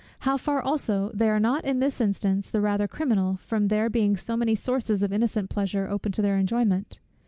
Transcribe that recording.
how far also they are not in this instance the rather criminal, from there being so many sources of innocent pleasure open to their enjoyment?